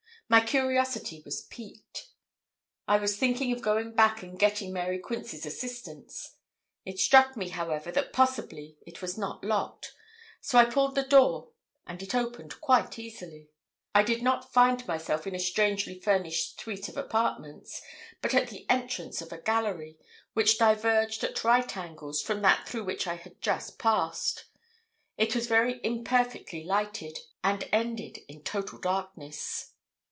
My curiosity was piqued. I was thinking of going back and getting Mary Quince's assistance. It struck me, however, that possibly it was not locked, so I pulled the door and it opened quite easily. I did not find myself in a strangely furnished suite of apartments, but at the entrance of a gallery, which diverged at right angles from that through which I had just passed; it was very imperfectly lighted, and ended in total darkness.